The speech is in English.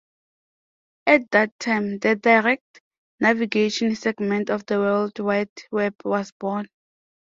At that time the direct navigation segment of the World Wide Web was born.